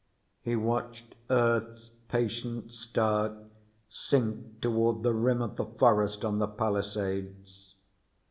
He watched Earth's patient star sink toward the rim of the forest on the Palisades.